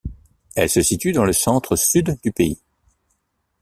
Elle se situe dans le centre sud du pays.